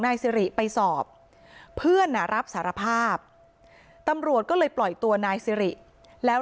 นายสิริไปสอบเพื่อนรับสารภาพตำรวจก็เลยปล่อยตัวนายสิริแล้ว